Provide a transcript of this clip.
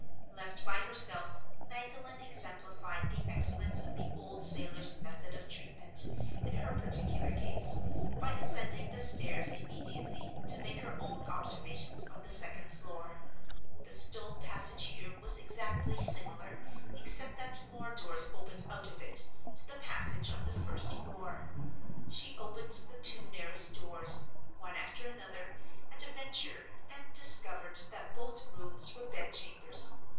Left by herself, Magdalen exemplified the excellence of the old sailor's method of treatment, in her particular case, by ascending the stairs immediately, to make her own observations on the second floor. The stone passage here was exactly similar, except that more doors opened out of it, to the passage on the first floor. She opened the two nearest doors, one after another, at a venture, and discovered that both rooms were bed chambers.